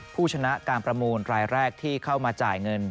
ผู้ชนะการประมูลรายแรกที่เข้ามาจ่ายเงิน